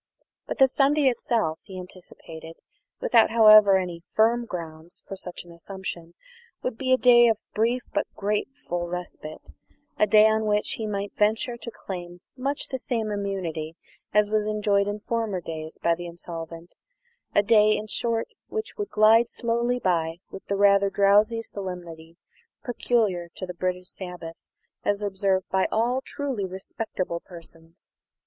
But the Sunday itself, he anticipated, without, however, any very firm grounds for such an assumption, would be a day of brief but grateful respite; a day on which he might venture to claim much the same immunity as was enjoyed in former days by the insolvent; a day, in short, which would glide slowly by with the rather drowsy solemnity peculiar to the British sabbath as observed by all truly respectable persons.